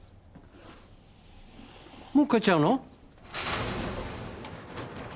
もう帰っちゃうの？